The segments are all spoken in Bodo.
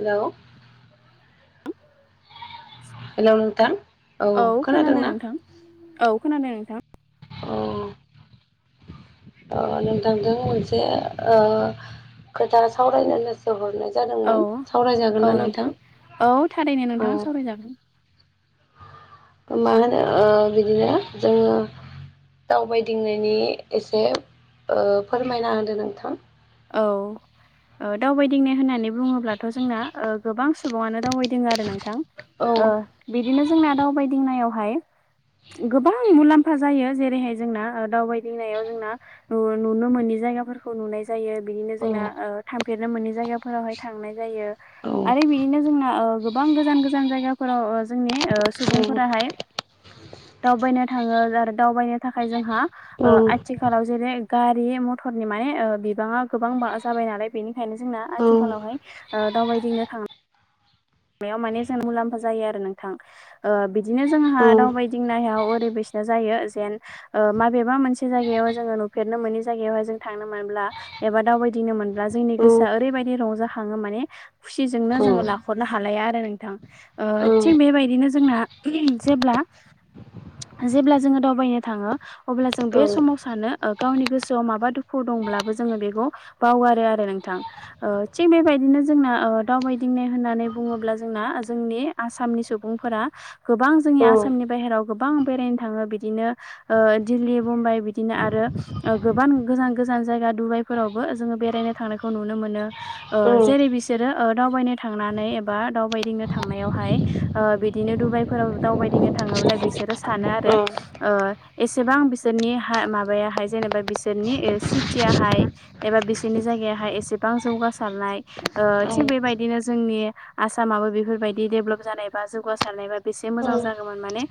हेल' हेलौ नोंथां औ खोनादों खोनादोंना? नोंथां औ खोनादों नोंथां। औ। ओ नोंटांजों मोनसे ओ खोथा सावरायनो होन्नासो हरनाय औ जादोंमोन सावरायजागोन ना नोंथां औ थारैनो अ। नोंथां सावरायजागोन मा होनो ओ बिदिनो जोङो। दावबायदिंनायनि एसे ओ फोरमायना होदो नोंथां। औ। ओ दावबायदिंनो होननानै बुङोब्लाथ' जोंना ओ गोबां सुबुङानो दावबायदिंओ आरो नोंथां। औ ओ बिदिनो जोंना दावबायदिंनायावहाय। गोबां मुलाम्फा जायो जेरैहाय जोंना ओ दावबायदिनायाव जोंना नु नुनो मोन जायगाफोरखौ नुनाय जायो बिदिनो औ जोंना ओ थांफेरनो मोनै जायगाफोरावहाय थांनाय। जायो औ औ आरो बिदिनो जोंना ओ गोबां गोजान गोजान जायगाफोराव ओ जोंनि। ओ सुबुंफोराहाय दावबायनो थाङो आरो दावबायनो थाखाय जोंहा। औ ओ आथिखालाव जेरै गारि मथरनि माने ओ बिबाङा गोबां जाबाय नालाय बेनि। ओंखायनो जोंना औ आथिखालावहाय ओ दावबायदिनो थां बेयाव माने जों मुलाम्फा जायो आरो नोंथां ओ बिदिनो जोंहा औ औ दावबायदिंनायाव ओरैबायस जायो जेन माबेबा मोनसे जायगायाव जोङो नुफेरनो मोनै जायगायावहाय जों थांनो मोनब्ला। एबा दावबायदिनो मोनब्ला जोंनि गोसोआ ओरैबायदि रंजाखाङो माने खुसिजोंनो जोङो ला हालाया आरो नोंथां थिग बेबायदिनो जोंना जेब्ला। जेब्ला जोङो दावबायनो थाङो अब्ला जों बे समाव सानो गावनि गोसोआव माबा दुखुआव दङ बो जों बेखौ बावगारो आरो नोंथां थिग बेबायदिनो जों दावबायदिंनाय होननानै बुङोब्ला जोंना जोंनि आसामनि सुबुंफोरा गोबां जोंनि आसामनि बाहेराव गोबां बेरायनो थाङो बिदिनो ओ दिल्ली, बम्बाइ, आरो गोबान गोजान गोजान जायगा दुबाइफोरावबो जों बेरायनो थांनायखौ नुनो मोनो जेरै बिसोरो ओ दावबायनाय थांनानै एबा दावबायदिंनो थांनायावहाय ओ बिदिनो डुबाइफोराव दावबायदिंनो थाङोब्ला बिसोरो सानो आरो ओ एसेबां बिसोरनि हा माबायाहाय जेनेबा बिसोरनि ओ सिटिआहाय एबा बिसोरनि जायगायाहाय गोबां जौगासारनाय ओ थिग बेबायदिनो बिदिनो जोंनि आसामाबो बेफोरबायदि डेभलप जानायबा जौगासारनायबा बेसे मोजां जागौमोन माने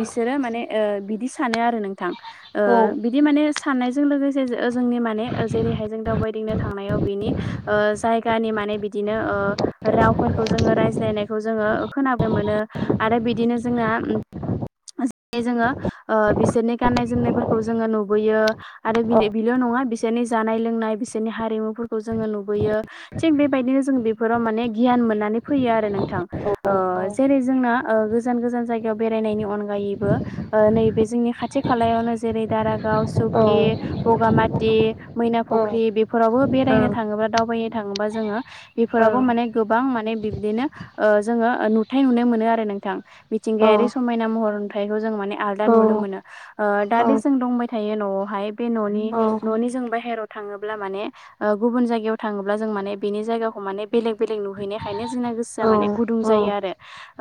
बिसोरो माने ओ बिदि सानो आरो नोंथां ओ औ बिदि माने साननायजों लोगोसे जों ओ जोंनि माने जेरैहाय जों दावबायदिंनो थांनायाव बिनि ओ जायगानि माने बिदिनो ओ रावफोरखौ जोङो रायज्लायनायखौ जोङो खोनानो मोनो आरो बिदिनो जोंना उम जोङो ओ बिसोरनि गाननाय जोमनायफोरखौ जोङो नुबोयो आरो औ बिलो-बिल' नं नङा बिसोरनि जानाय लोंनाय बिसोरनि हारिमुफोरखौ जोङो नुबुयो थिग बेबायदिनो जों बेफ बेफोराव माने गियान मोननानै फैयो आरो नोंथां औ ओ जेरै जोंना ओ ग गोजान गोजान जायगायाव बेरायनायनि अनगायैबो ओ नैबे जोंनि खाथि खालायावनो जेरै दाराग गाव, सुकि, बगामाथि, मैना फुख्रि बेफोरावबो बेरायनो थाङोब्ला दावबायनो थाङोबा जोङो बेफोरावबो माने गोबां माने बिबदिनो ओ जोङो नुथाय नुनो मोनो आरो नोंथां मिथिंगाया यारि समायना महर नुथाइखौ जों आलादा नुनो मोनो आ दा दे जों दंबाय थायो न'आवहाय बे न'नि न'नि जों बाहेराव थाङोब्ला माने ओ गुबुन जायगायाव थाङोब्ला जों माने बेनि जायगाख माने बेलेग बेलेग नुहैनो खायनो जोंना गोसोआ माने गुदुं जायो आरो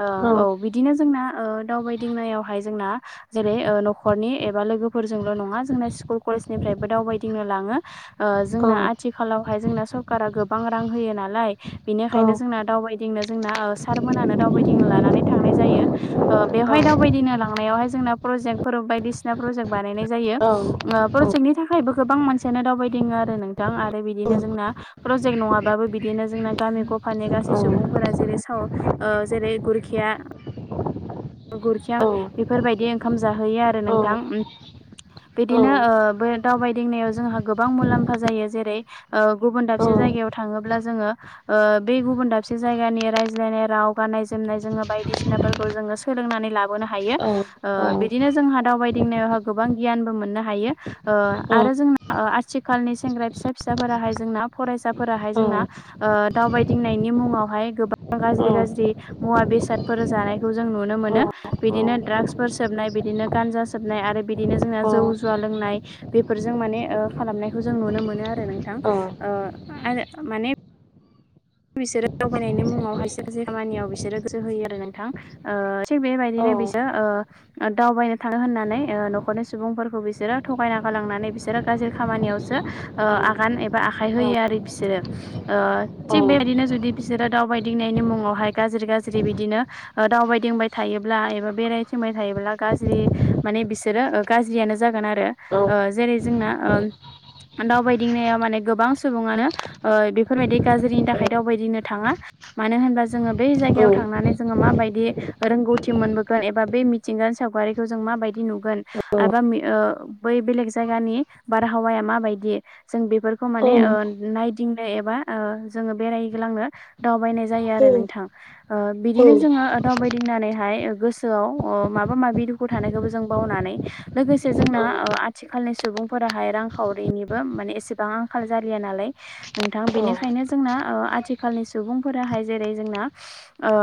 ओ औ बिदिनो जोंना ओ दावबायदिंनायावहाय जोंना जेरै ओ न'खरनि एबा लोगोफोरजोंल' नङा जोंना स्कुल कलेज निफ्रायबो दावबायदिंनो लाङो ओ जोंना आथिखालावहाय जोंना सरकारा गोबां रां होयो नालाय बेनिखायनो जोंना दावबाय नो जोंना ओ सारमोनानो दावबायदिंनो लानानै थांनाय जायो ओ बेवहाय दावबायदिनो ला नायावहाय जोंहा जोंना प्रजेक्टफोर बायदिसिना प्रजेक्ट बानायनाय जायो ओ प्रजे जेकनि थाखायबो गोबां मानसियानो दावबायदिङो आरो नोंथां आरो बिदिनो जोंना प्रजेक्ट नङाबाबो बि बिदिनो जोंना गामि गफानि गासै सुबुंफोरा जेरै साव ओ जेरै गुरखिया गुरखिया बेफोरबायदि ओंखाम जाहोयो आरो नोंथां बिदिनो ओ बो दावबायदिंनायाव जोंहा गोबां मुलाम्फा जायो जेरै ओ गुबुन दाबसे जायगायाव थाङोब्ला जोङो ओ बे गुबुन दाबसे जायगानि रायज्लायनाय राव गाननाय जोमनाय जोङो बायदिसिनाफोरखौ जों सोलोंनानै लाबोनो हायो ओ बिदिनो जोंहा दावबायदिंनायावहाय गोबां गियानबो मोननो हायो ओ आरो जोंना आथिखालनि सेंग्रा फिसा फिसाफोराहाय जोंना फरायसाफोराहाय जोंना दावबायदिंनायनि मुङावहाय गोबां गाज्रि गाज्रि मुवा बेसादफोर जानायखौ जों नुनो मोनो बिदिनो द्राग्सफोर सोबनाय बिदिनो गानजा सोबनाय आरो बि बिदिनो जोंना जौ जुवा लोंनाय बेफोरजों माने ओ खालामनायखौ जों नुनो मोनो आरो नोंथां ओ आरो माने बिसोरो दावबायनायनि मुङाव खायसे खायसे खामानियाव बिसोरो गोसो होयो आरो नोंथां थिग बेबायदिनो बिसोर ओ दावबायनो थाङो होननानै न'खरनि सुबुंफोरखौ बिसोरो थगायना गालांनानै बिसोर बिसोर गाज्रि खामानियावसो ओ आगान एबा आखाइ होयो आरो बिसोरो थिग बेबायदिनो जुदि बिसोरो दावबायदिंनायनि मुङावहाय गाज्रि गाज्रि बिदिनो दावबायदिंबाय थायोब्ला। ब्ला एबा दावबायदिंबाय थायोब्ला एबा बेरायथिंनाय थायोब्ला बिसोरो गाज्रियानो जागोन आरो जोंना ओम दावबायदिंनायाव माने गोबां सुबङनो ओइ बेफोरबायदि गाज्रिनि थाखाय दावबायायदिनो थाङा मानो होनबा जोङो बै जायगायाव थांनानै जोङो माबायदि गौथि मोनबोगोन एबा बे मिथिंगानि सावगारिखौ जों मा बायदि नुगोन एबा ओ बै बेले क जायगानि बारहावाया मा बायदि जों बेफोरखौ माने ओ नायदिंनो एबा ओ जोङो बेरायग्लांनो दावबायनाय जायो आरो नोंथां बिदिनो जोङो दावबाय दिननानैहाइ गोसोआव ओ माबा-माबि दुखु थानायखौबो जों बावनानै लोगोसे जोंना ओ- आथिखालनि सुबुंफोराहाय रांखावरिनिबो माने एसेबां आंखाल जालिया नालाय नोंथां बेनि- बेनिखायनो जोंना ओ आथिखालनि सुबुंफोराहाय जेरै जोंना ओ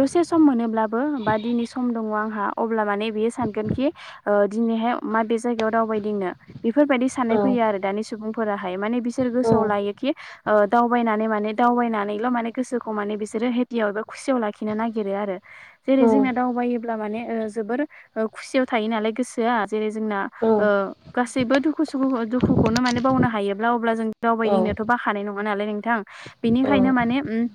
दसे समनि- होनोब्लाबो बा दिनि सम दङ' आंहा अब्ला माने बियो सानगोन खि ओ दिनैहाय माबे जायगा- जुआव दावबायदिंनो बेफोरबायदि साननाय फैयो आरो दानि सुबुंफोराहाय माने बिसोर गोसोआव लायोखि! ओ दावबायनानै माने दावबायनानैल' माने गोसोखौ माने बिसोरो हेटियाव एबा खुसियाव लाखिनो नागिरो आरो। औ जेरै जोंना दावबायोब्ला माने ओ जोबोर ओ खुसियाव थायो नालाय गोसोआ जेरै जोंना! औ ओ गासैबो दुखु-सुखुखौ दुखुखौनो माने बावनो हायोब्ला अब्ला जों दावबायदिंनोथ' बाखा- खानाय नङा नालाय नोंथां बिनिखायनो माने उम-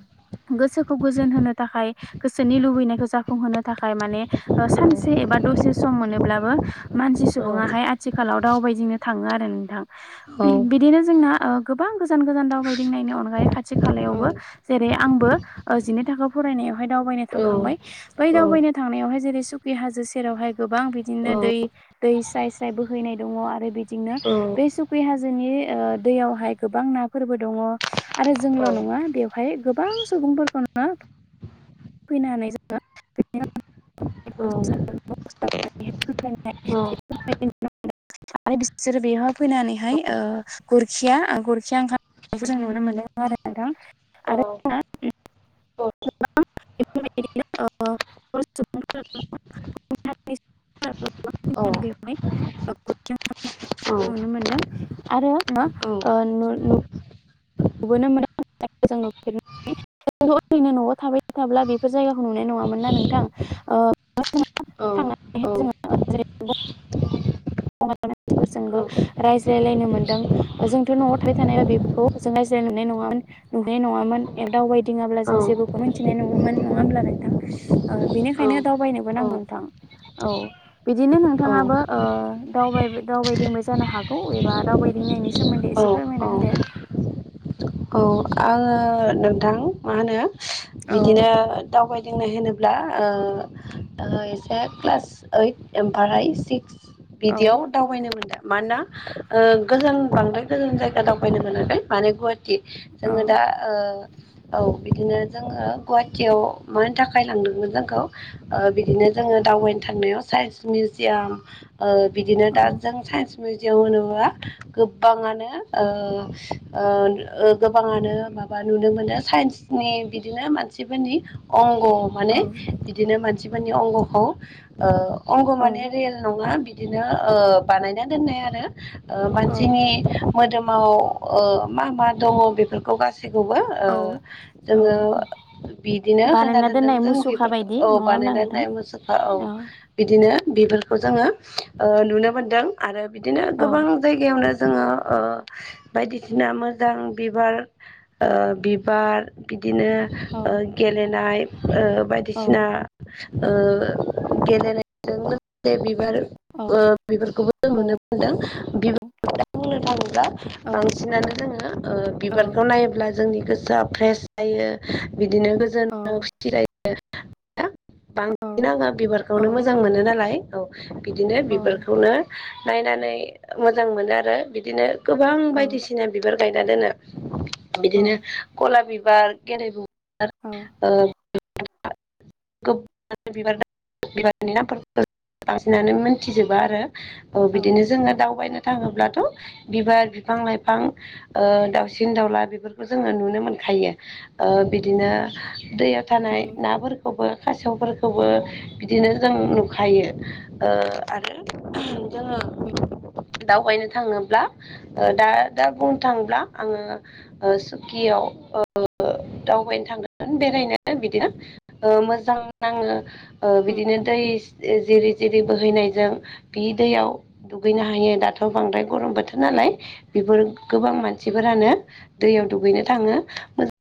गोसोखौ गोजोन होनो थाखाय गोसोनि लुबैनायखौ जाफुंहोनो थाखाय माने ओ सानसे- एबा दसे सम मोनोब्लाबो मानसि औ सुबुङाहाय आथिखालाव दावबायदिंनो थाङो आरो नोंथां। औ उम बिदिनो जोंना ओ गोबां गो- जान-गोजान दावबायनायनि अनगायै खाथि-खालायावबो जेरै आंबो ओ जिनै थाखो फरायनायावहाय दावबाय- बाइनो थांखांबाय बै दावनो थांनायावहाय जेरै सुकि हाजो सेरावहाय गोबां बिदिनो दै-दै! दै स्राइ-स्राइ बोहैनाय दङ'आरो बिदिंनो बे सुक्रि हाजोनि ओ दैयावहाय- गोबां नाफोरबो दङ आरो जोंल' नङा बेवहाय गोबां सुबुंफोरखौनो, फैनो हानाय जागोन [unintelligible] [inaudible] ओमफ्राय बिसोरो बेयाव फैनानैहाय ओ गुरखिया ओ गुर- सिआं खाखौ जों नुनो मोनदों आरो नोंथां। औ। [unintelligible] [inaudible] [unintelligible] [inaudible] औ। ओ गुबुनजों थांनायखौ नुनो मोनदों आरो ओ-उम ओ नु- नु-नुबोनो मोन्दों जायखौ जों मजां नुफेराखै। थ' ओरैनो न'आव थाबाय थाब्ला बेफोर जायगाखौ नुनाय नङामोन ना नोंथां ओ जानोमोन- औ-औ। गुबुनाव थानाय मानसिफोरजोंबो रायज्लायलायनो मोनदों जोंथ' न'आव थाबाय-थानायबा बेफोरखौ- जों रायज्लाय नुनाय नङामोन नुनाय नङामोन ए दावबायदिङाब्ला जों जेबोखौ मोन्थिनाय नङामोन नङा होमब्ला नों? नोंथां ओ बेनिखायनो दावबायनोबो नांगौ नोंथां औ। बिदिनो नोंथाङाबो ओ दावबायबाय-दावबायदिंबाय जानो हागौ एबा दावबायदिंनायनि सो- सोमोन्दै एसे औ फोरमायना होदो! औ आङो नोंथां मा होनो औ बिदिनो दावबाय- बुंनो होनोब्ला ओ-ओ एसे क्लास ओइट ओमफाराय सिक्स- औ बिदियाव दावबायनो मोनदों। मानोना ओ गोजान बांद्राय गोजान जायगा दावबायनो मोनाखै माने गुवाहाटि। औ जोङो दा ओ औ बिदिनो जोङो गुवाहाटियाव मानि थाखाय लांदोंमोन जोंखौ- खौ ओ बिदिनो जोङो दावबायनो थांनायाव साइन्स मिउजियाम, ओ बिदिनो दा औ जों साइन्स, मिउजियाम होनोबा गोबबाङानो ओ-ओन ओ- गोबाङानो माबा नुनो मोनो साइन्सनि बिदिनो मानसिफोरनि अं- औ माने औ बिदिनो मानसिफोरनि अंग'खौ ओ अंग' माने औ रियेल नङा बि बिदिनो ओ बानायना दोननाय आरो ओ औ मानसिनि मोदोमाव ओ मा मा दङ बेफोरखौ गासै गबो ओ औ औ जोङो बिदिनो होना बानायना दोनदों दोननाय जों मुसुखा बेफोरखौ बायदि औ। नङा होमब्ला नोंथां दा-दानाय मोसुखा औ बिदिनो बिफोरखौ जोङो ओ नुनो मोनदों आरो बिदिनो औ गोबां जायगायावनो जो जोङो ओ बायदिसिना मोजां बिबार ओ बिबार बिदिनो औ ओ गेलेनाय औ बायदिसिना गेलेनायजों लोगोसे बिबार औ बिफोरखौबो जों औ नुनो मोनदों बिबार बुंनो थाङोब्ला औ बांसिनानो जोङो औ बिबारखौ नायोब्ला जोंनि गोसोआ फ्रेस जायो बिदिनो औ गोजोनो खुसिजायो औ बांसिन आङो औ बिबारखौनो मोजां मोनो नालाय औ बिदिनो बिबारखौनो नायनानै मोजां मोनो आरो बिदिनो गोबां बायदिसिना बिबार गायना दोनो बिदिनो गलाप बिबार गेन्दे बु [unintelligible] गो बिबार बिबारनि नामफोरखौ बांसिननानै मोनथिजोबा आरो औ बिदिनो जोङो दावबायनो थाङोब्लाथ' बिबार बिफां लाइफां दाउसिन दाउला बेफोरखौ जोङो नुनो मोनखायो बिदिनो दैयाव थानाय नाफोरखौबो खासेवफोरखौबो बिदिनो जों नुखायो आरो जोङो [unintelligible] दावबायनो थाङोब्ला दा दा बुं थांब्ला आङो सुकियाव दावबायनो थांगोन बेरायनो बिदिनो मोजां नाङो औ बिदिनो दै जिरि जिरि बोहैनायजों जों बि दैयाव दुगैनो हायो दाथ' बांद्राय गरम बोथोर नालाय बेफोर गोबां मानसिफोरानो दैयाव दुगैनो थाङो मोजां